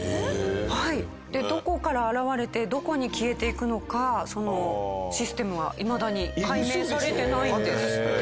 どこから現れてどこに消えていくのかそのシステムはいまだに解明されてないんですって。